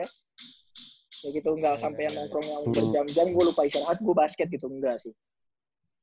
kayak gitu gak sampe nongkrong jam jam gue lupa istirahat gue basket gitu enggak sih